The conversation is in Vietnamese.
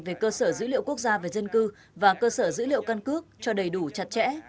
về cơ sở dữ liệu quốc gia về dân cư và cơ sở dữ liệu căn cước cho đầy đủ chặt chẽ